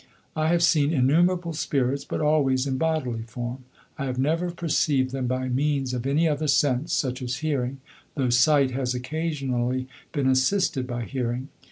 I have seen innumerable spirits, but always in bodily form. I have never perceived them by means of any other sense, such as hearing, though sight has occasionally been assisted by hearing.